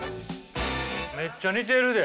めっちゃ似てるで。